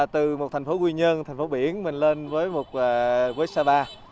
từ một thành phố nguyên nhân thành phố biển mình lên với sapa